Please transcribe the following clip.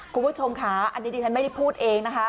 คุณผู้ชมค่ะอันนี้ดิฉันไม่ได้พูดเองนะคะ